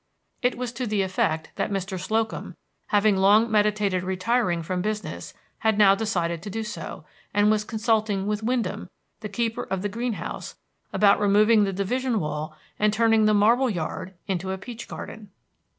It was to the effect that Mr. Slocum, having long meditated retiring from business, had now decided to do so, and was consulting with Wyndham, the keeper of the green house, about removing the division wall and turning the marble yard into a peach garden.